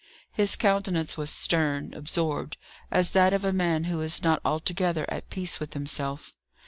His countenance was stern, absorbed; as that of a man who is not altogether at peace with himself.